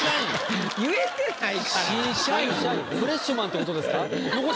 フレッシュマンってことですか？